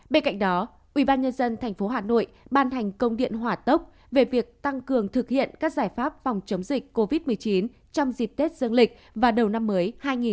bên cạnh đó ubnd tp hà nội ban hành công điện hỏa tốc về việc tăng cường thực hiện các giải pháp phòng chống dịch covid một mươi chín trong dịp tết dương lịch và đầu năm mới hai nghìn hai mươi